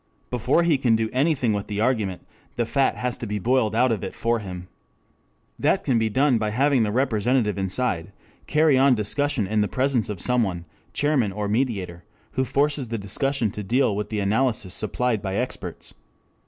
Before he can do anything with the argument, the fat has to be boiled out of it for him. 3 That can be done by having the representative inside carry on discussion in the presence of some one, chairman or mediator, who forces the discussion to deal with the analyses supplied by experts.